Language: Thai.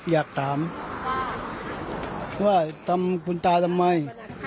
อยากถามว่าทำคุณตาทำไม